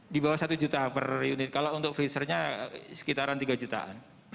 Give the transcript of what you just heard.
di bawah satu juta per unit kalau untuk freezernya sekitaran tiga jutaan